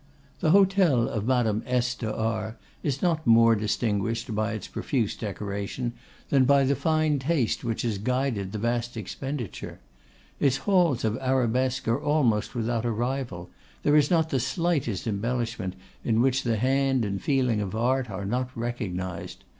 The hotel of Madame S. de R d is not more distinguished by its profuse decoration, than by the fine taste which has guided the vast expenditure. Its halls of arabesque are almost without a rival; there is not the slightest embellishment in which the hand and feeling of art are not recognised.